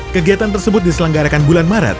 kegiatan tersebut diselenggarakan bulan maret